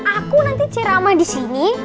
aku nanti ceramah di sini